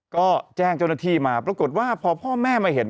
ก็แจ้งเจ้าหน้าที่มาปรากฏว่าพอพ่อแม่มาเห็น